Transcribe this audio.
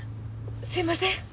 すいません。